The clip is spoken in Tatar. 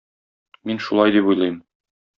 Мин шулай дип уйлыйм.